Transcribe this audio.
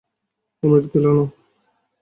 অমিত গেল না।